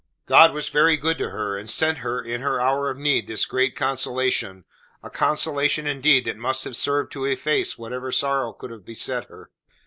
God was very good to her, and sent her in her hour of need this great consolation a consolation indeed that must have served to efface whatever sorrow could have beset her.